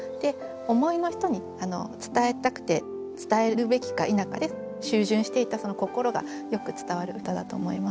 思いの人に伝えたくて伝えるべきか否かでしゅん巡していたその心がよく伝わる歌だと思います。